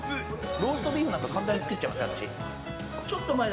ローストビーフなんか簡単に作っちゃう。